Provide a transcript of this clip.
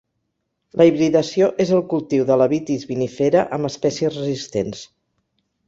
La hibridació és el cultiu de la Vitis vinifera amb espècies resistents.